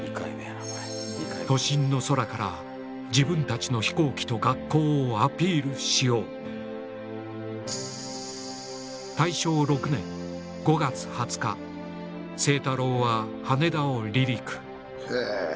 都心の空から自分たちの飛行機と学校をアピールしよう清太郎は羽田を離陸